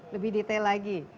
lebih detail lagi